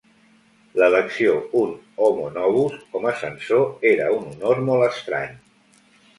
L'elecció un "homo novus" com a censor era un honor molt estrany.